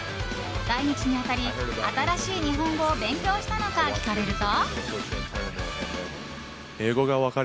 来日に当たり新しい日本語を勉強したのか聞かれると。